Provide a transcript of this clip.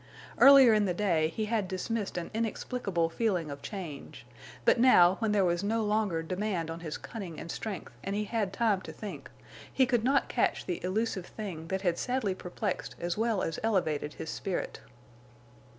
Earlier in the day he had dismissed an inexplicable feeling of change; but now, when there was no longer demand on his cunning and strength and he had time to think, he could not catch the illusive thing that had sadly perplexed as well as elevated his spirit.